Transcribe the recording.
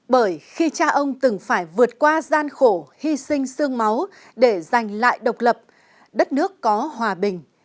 bởi khi cha ông từng phải vượt qua gian khổ hy sinh sương máu để giành lại độc lập đất nước có hòa bình